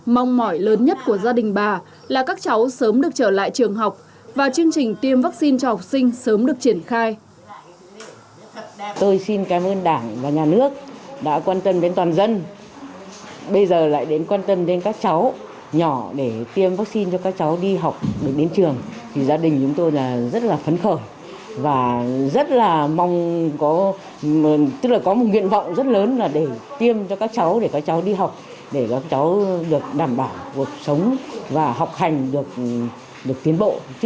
mong mỏi lớn nhất của gia đình bà là các cháu sớm được trở lại trường học và chương trình tiêm vaccine cho học sinh